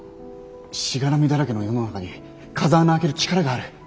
しがらみだらけの世の中に風穴開ける力がある。